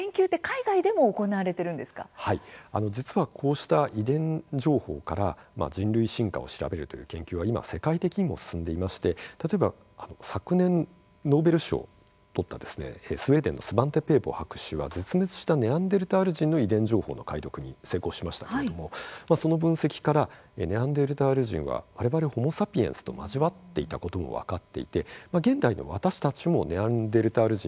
実はこうした遺伝情報から人類進化を調べるという研究は今、世界的にも進んでいまして例えば、昨年ノーベル賞を取ったスウェーデンのスバンテ・ペーボ博士は絶滅したネアンデルタール人の遺伝情報の解読に成功しましたけれどもその分析からネアンデルタール人は我々ホモ・サピエンスと交わっていたことも分かっていて現代の私たちもネアンデルタール人